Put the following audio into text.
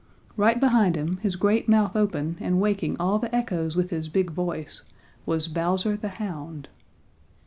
Right behind him, his great mouth open and waking all the echoes with his big voice, was Bowser the Hound.